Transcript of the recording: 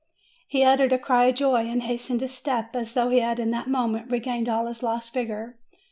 He uttered a cry of joy, and hastened his steps, as though he had, in that moment, regained all his lost vigor.